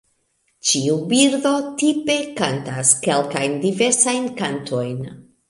Ĉiu birdo tipe kantas kelkajn diversajn kantojn.